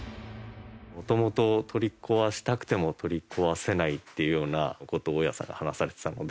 もともと取り壊したくても取り壊せないっていうような事を大家さんが話されてたので。